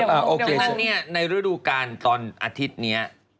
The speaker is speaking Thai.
เดี๋ยวกันนั้นในฤดูปิดตอนอาทิตย์นี้